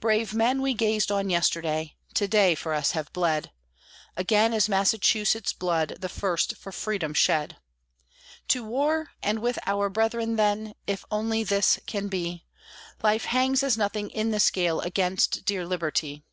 Brave men we gazed on yesterday, to day for us have bled: Again is Massachusetts blood the first for Freedom shed. To war, and with our brethren, then, if only this can be! Life hangs as nothing in the scale against dear Liberty!